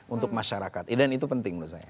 untuk masyarakat dan itu penting menurut saya